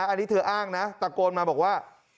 อันนี้เธออ้างนะตะโกนมาบอกว่า